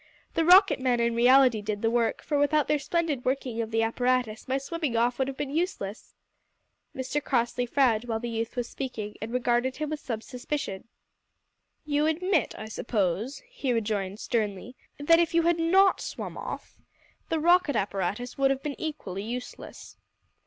The rocket men, in reality, did the work, for without their splendid working of the apparatus my swimming off would have been useless." Mr Crossley frowned while the youth was speaking, and regarded him with some suspicion. "You admit, I suppose," he rejoined sternly, "that if you had not swum off, the rocket apparatus would have been equally useless."